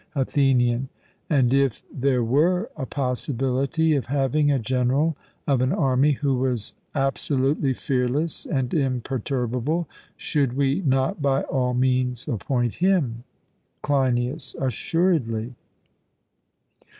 ATHENIAN: And if there were a possibility of having a general of an army who was absolutely fearless and imperturbable, should we not by all means appoint him? CLEINIAS: Assuredly.